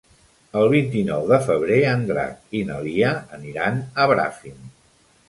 El vint-i-nou de febrer en Drac i na Lia aniran a Bràfim.